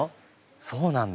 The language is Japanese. そうなんだ。